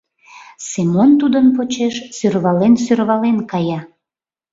Семон тудын почеш сӧрвален-сӧрвален кая.